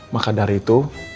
maka dari itu